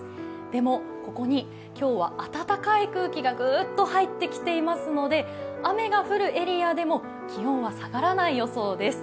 でも、ここに今日は暖かい空気がぐっと入ってきていますので雨が降るエリアでも気温は下がらない予想です。